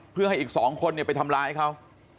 เพื่อให้อีก๒คนไปทำร้ายเขา